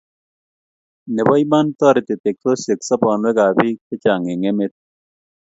Nebo iman, toriti teksosiek sobonwek ab bik che chang eng emet